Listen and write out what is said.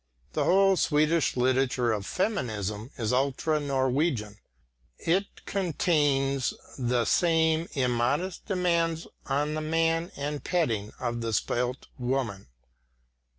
The whole Swedish literature of feminism is ultra Norwegian; it contains the same immodest demands on the man and petting of the spoilt woman.